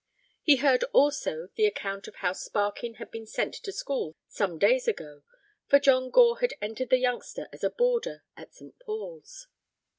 He heard also the account of how Sparkin had been sent to school some days ago, for John Gore had entered the youngster as a boarder at St. Paul's.